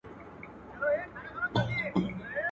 د يوه پېچ کېدی، بل ويل څنگه ښه سره کونه ئې ده.